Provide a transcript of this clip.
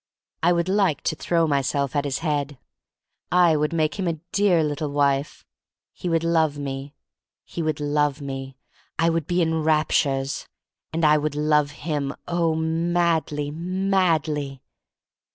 I would like to throw myself at his head. I would make him a dear little wife. He would love me — THE STORY OF MARY MAC LANE 95 he would love me. I would be in rap tures. And I would lo've him, oh, madly, madly!